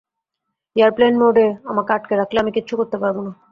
Airplane মোডে আমাকে আটকে রাখলে আমি কিচ্ছু করতে পারব না।